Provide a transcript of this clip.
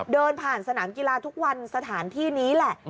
เดินผ่านสนามกีฬาทุกวันสถานที่นี้แหละ